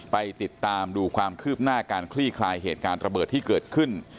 ไปติดตามดูความคืบหน้าการคลี่คลายเหตุการณ์ระเบิดที่เกิดขึ้น